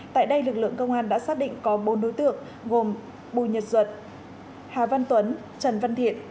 tại đây lực lượng công an đã xác định có bốn đối tượng gồm bùi nhật duật hà văn tuấn trần văn thiện